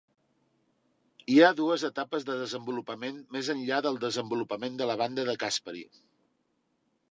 Hi ha dues etapes de desenvolupament més enllà del desenvolupament de la banda de Caspary.